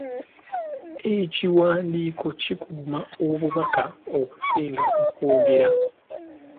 Ekiwandiiko kikuuma obubaka okusinga okwogera.